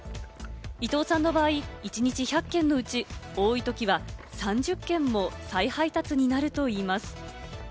伊東さんの場合、一日１００件のうち、多いときは３０件も再配達になるといいます。